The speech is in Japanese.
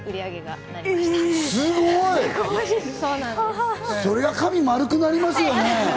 そりゃ、髪丸くなりますよね。